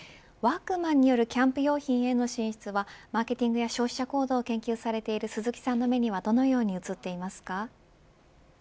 ワークマンによるキャンプ用品への進出はマーケティングや消費者行動を研究している鈴木さんの目にはどのように映りましたか。